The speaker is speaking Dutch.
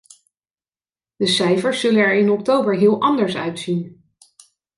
De cijfers zullen er in oktober heel anders uitzien.